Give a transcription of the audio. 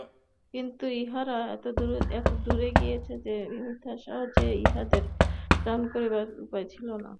কিন্তু ইঁহারা এত দূরে গিয়াছিলেন যে মিথ্যার সাহায্যেও ইঁহাদিগকে ত্রাণ করিবার উপায় ছিল না।